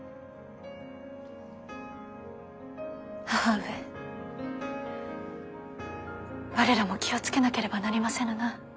義母上我らも気を付けなければなりませぬなあ